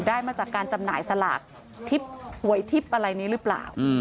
มาจากการจำหน่ายสลากทิพย์หวยทิพย์อะไรนี้หรือเปล่า